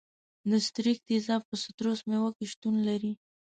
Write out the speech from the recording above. د ستریک تیزاب په سیتروس میوو کې شتون لري.